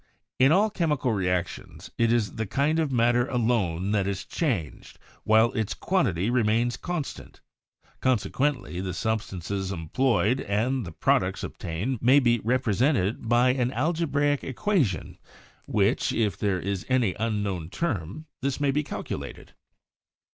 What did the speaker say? In all chemical reactions it is the kind of matter alone that is changed, while its quantity remains con stant; consequently, the substances employed and the products obtained may be represented by an algebraic i68 CHEMISTRY equation in which, if there is any unknown terra, tfois may be calculated.